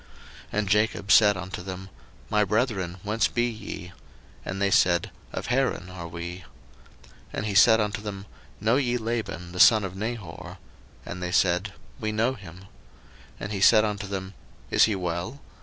01:029:004 And Jacob said unto them, My brethren, whence be ye? And they said, Of Haran are we. 01:029:005 And he said unto them, Know ye Laban the son of Nahor? And they said, We know him. 01:029:006 And he said unto them, Is he well?